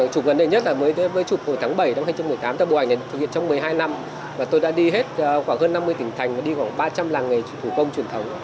trong một mươi hai năm tôi đã đi hết khoảng hơn năm mươi tỉnh thành đi khoảng ba trăm linh làng nghề thủ công truyền thống